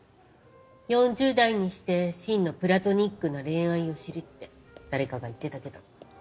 ４０代にして真のプラトニックな恋愛を知るって誰かが言ってたけど。